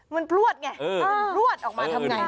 มันพลวดไงพลวดออกมาทำไง